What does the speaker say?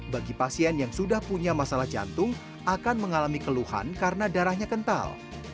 bagi pasien yang sudah punya masalah jantung akan mengalami keluhan karena darahnya kental